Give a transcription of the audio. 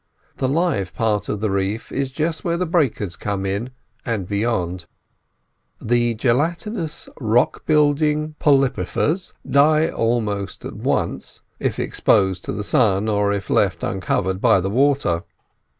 The live part of the reef is just where the breakers come in and beyond. The gelatinous rock building polypifers die almost at once, if exposed to the sun or if left uncovered by water.